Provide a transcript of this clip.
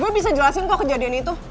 gue bisa jelasin kok kejadian itu